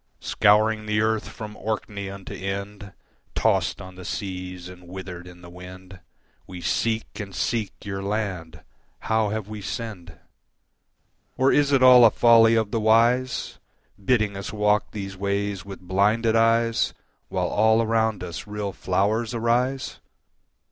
Scouring the earth from Orkney unto Ind, Tossed on the seas and withered in the wind, We seek and seek your land. How have we sinned? Or is it all a folly of the wise, Bidding us walk these ways with blinded eyes While all around us real flowers arise?